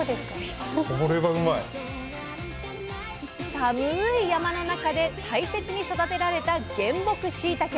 寒い山の中で大切に育てられた原木しいたけ。